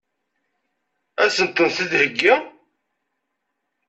Ad sent-ten-id-theggi?